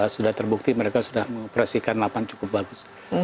sudah terbukti mereka sudah mengoperasikan lapan cukup bagus